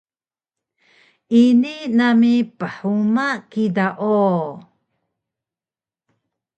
Ini nami phuma kida o!